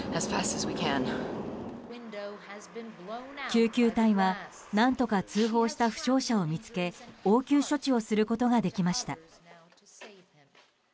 救急隊は何とか通報した負傷者を見つけ応急処置をすることができました。